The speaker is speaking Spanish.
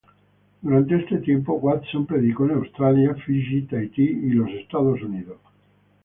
Durante este tiempo Watson predicó en Australia, Fiji, Tahiti, y los Estados Unidos.